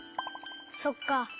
そっか。